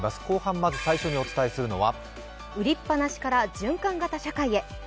後半まず最初にお伝えするのは売りっぱなしから循環型社会へ。